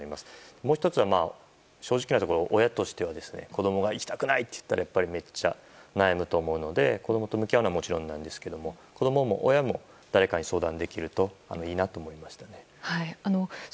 もう１つは正直なところ親としては子供が行きたくないって言ったらやっぱりめっちゃ悩むと思うので子供と向き合うのはもちろんなんですけど親も誰かに相談できるといいなと思います。